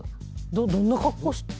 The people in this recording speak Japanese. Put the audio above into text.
どんな格好して。